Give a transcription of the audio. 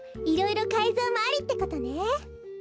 いろいろかいぞうもありってことね。